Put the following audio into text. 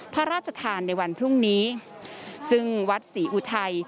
พระราชทานในวันพรุ่งนี้ซึ่งวัดศรีอุทัย